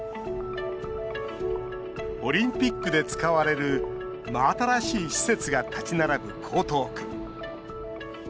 オリンピックで使われる真新しい施設が建ち並ぶ江東区。